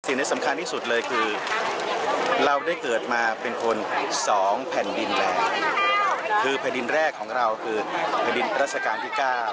สิ่งที่สำคัญที่สุดเลยคือเราได้เกิดมาเป็นคนสองแผ่นดินแล้วคือแผ่นดินแรกของเราคือแผ่นดินรัชกาลที่๙